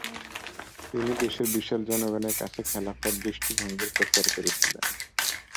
তিনি দেশের বিশাল জনগণের কাছে খেলাফত দৃষ্টিভঙ্গির প্রচার করেছিলেন।